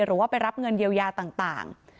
หรือว่าไปรับเงินเยียวยาต่าง